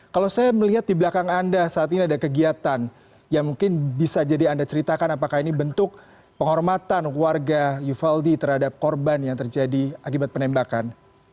kalau saya melihat di belakang anda saat ini ada kegiatan yang mungkin bisa jadi anda ceritakan apakah ini bentuk penghormatan warga uvaldi terhadap korban yang terjadi akibat penembakan